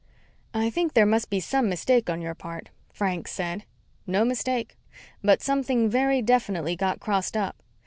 "I think there must be some mistake on your part," Frank said. "No mistake. But something very definitely got crossed up.